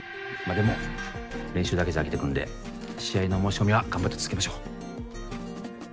まあでも練習だけじゃ飽きてくるんで試合の申し込みは頑張って続けましょう